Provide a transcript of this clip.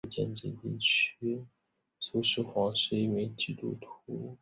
苏施黄是一名基督徒。